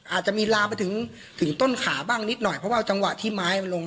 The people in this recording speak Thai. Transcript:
อาจจะมีลามไปถึงถึงต้นขาบ้างนิดหน่อยเพราะว่าจังหวะที่ไม้มันลง